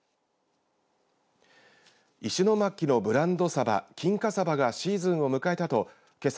石巻のブランドさば金華さばがシーズンを迎えたとけさ